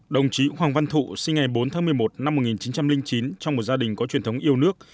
đồng chí hoàng văn thụ sinh ngày bốn tháng một mươi một năm một nghìn chín trăm linh chín trong một gia đình có truyền thống yêu nước